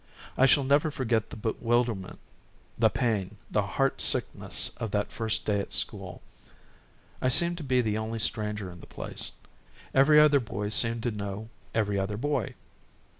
I shall never forget the bewilderment, the pain, the heart sickness, of that first day at school. I seemed to be the only stranger in the place; every other boy seemed to know every other boy.